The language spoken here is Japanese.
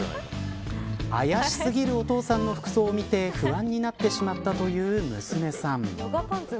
怪しすぎるお父さんの服装を見て不安になってしまったという娘さん。